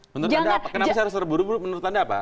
kenapa saya harus terburu buru menurut anda apa